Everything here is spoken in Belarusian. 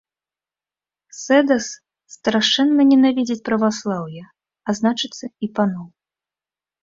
Сэдас страшэнна ненавідзіць праваслаўе, а значыцца, і паноў.